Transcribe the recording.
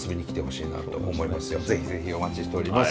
是非是非お待ちしております。